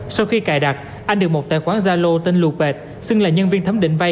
sau khi cài đặt anh được một tài khoản gia lô tên loupet xưng là nhân viên thấm định vay